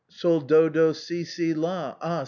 " Sol, do, do, si, si, la, — ah